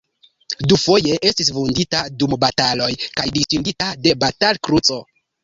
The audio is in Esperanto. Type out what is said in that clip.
Dufoje estis vundita dum bataloj kaj distingita de Batal-Kruco.